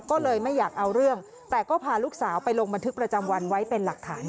ก็เลยไม่อยากเอาเรื่องแต่ก็พาลูกสาวไปลงบันทึกประจำวันไว้เป็นหลักฐาน